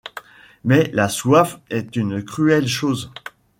Mais la soif est une cruelle chose.